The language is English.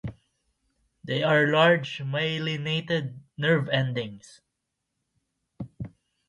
They are large, myelinated nerve endings.